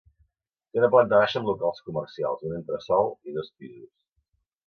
Té una planta baixa amb locals comercials, un entresòl i dos pisos.